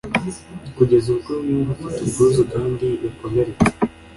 kugeza ubwo yumva afite ubwuzu kandi yakomeretse.